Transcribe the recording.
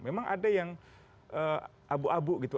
memang ada yang abu abu gitu